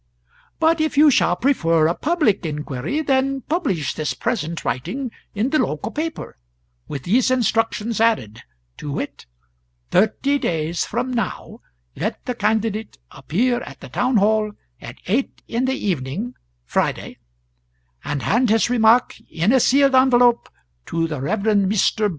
"But if you shall prefer a public inquiry, then publish this present writing in the local paper with these instructions added, to wit: Thirty days from now, let the candidate appear at the town hall at eight in the evening (Friday), and hand his remark, in a sealed envelope, to the Rev. Mr.